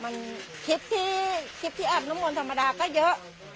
มันคลิปที่คลิปที่อาบน้ำมนต์ธรรมดาก็เยอะ